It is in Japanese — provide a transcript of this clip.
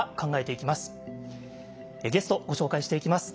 ゲストご紹介していきます。